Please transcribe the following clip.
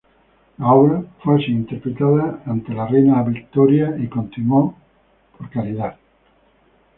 La obra fue así interpretada ante la reina Victoria, y continuó por caridad.